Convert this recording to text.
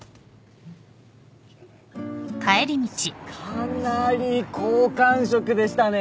かなり好感触でしたね。